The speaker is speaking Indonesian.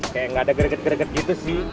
kayak nggak ada greget greget gitu sih